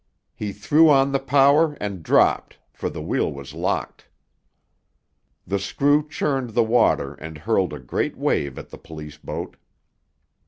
He threw on the power and dropped, for the wheel was locked. The screw churned the water and hurled a great wave at the police boat.